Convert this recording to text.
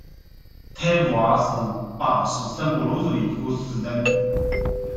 泰乌瓦是巴西圣保罗州的一个市镇。